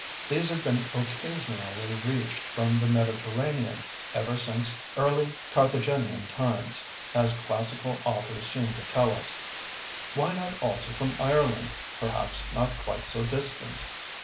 These had been occasionally reached from the Mediterranean ever since early Carthaginian times, as classical authors seem to tell us; why not also from Ireland, perhaps not quite so distant?